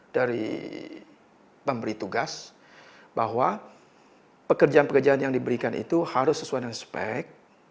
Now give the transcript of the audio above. dari pemberi tugas bahwa pekerjaan pekerjaan yang diberikan itu harus sesuai dengan spek